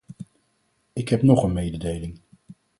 Ik heb nog een mededeling.